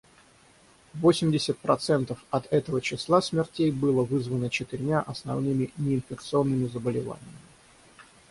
Восемьдесят процентов от этого числа смертей было вызвано четырьмя основными неинфекционными заболеваниями.